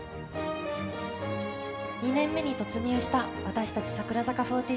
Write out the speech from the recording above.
２年目に突入した私たち櫻坂